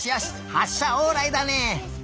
はっしゃオーライだね！